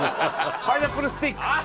パイナップルスティック。